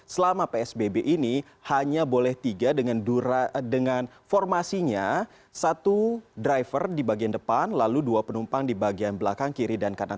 selama psbb ini hanya boleh tiga dengan formasinya satu driver di bagian depan lalu dua penumpang di bagian belakang kiri dan kanan